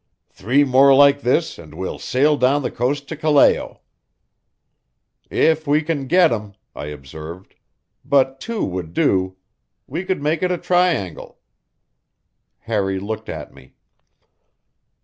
"Three more like this and we'll sail down the coast to Callao." "If we can get 'em," I observed. "But two would do. We could make it a triangle." Harry looked at me.